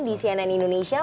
di cnn indonesia